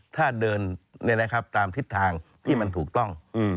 ถ้าเดินตามทิศทางที่มันถูกต้อง